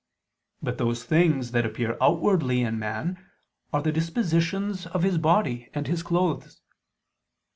But those things that appear outwardly in man are the dispositions of his body and his clothes.